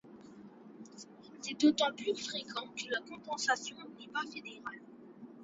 C'est d'autant plus fréquent que la compensation n'est pas fédérale.